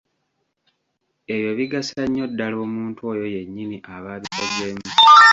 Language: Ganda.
Ebyo bigasa nnyo ddala omuntu oyo yennyini aba abikozeemu.